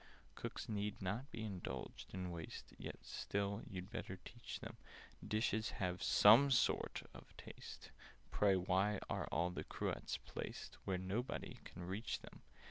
"Cooks need not be indulged in waste; Yet still you'd better teach them Dishes should have some sort of taste. Pray, why are all the cruets placed Where nobody can reach them?